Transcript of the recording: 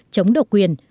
chống độc quyền